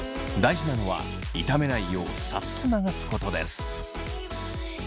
大事なのは傷めないようさっと流すことです。